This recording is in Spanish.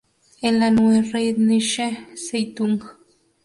En la "Neue Rheinische Zeitung.